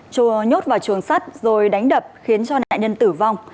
chùa nhốt vào chuồng sắt rồi đánh đập khiến cho nạn nhân tử vong